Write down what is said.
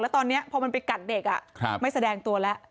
ตอนนี้พอมันไปกัดเด็กไม่แสดงตัวแล้ว